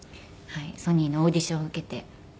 ソニーのオーディションを受けて。